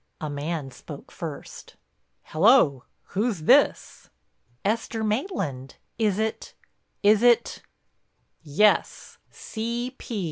A man spoke first: "Hello, who's this?" "Esther Maitland. Is it—is it?" "Yes—C. P.